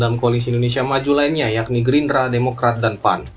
dalam koalisi indonesia maju lainnya yakni gerindra demokrat dan pan